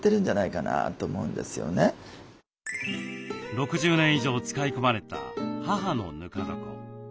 ６０年以上使い込まれた母のぬか床。